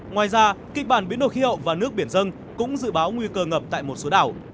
ngoài ra kịch bản biến đổi khí hậu và nước biển dân cũng dự báo nguy cơ ngập tại một số đảo